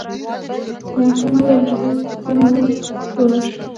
مومن خان وویل پر غیر کوو ور به شو.